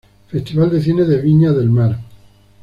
Festival de Cine de Viña del Mar